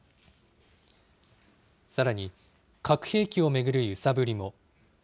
さらに核兵器を巡る揺さぶりも。